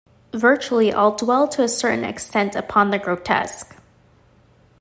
Virtually all dwell to a certain extent upon the grotesque.